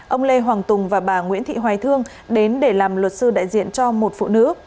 ông lê hoàng tùng và bà nguyễn thị hoài thương đến để làm luật sư đại diện cho một phụ nữ